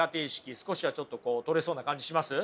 少しはちょっとこう取れそうな感じします？